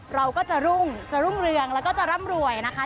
เราก็จะรุ่งจะรุ่งเรืองแล้วก็จะร่ำรวยนะคะ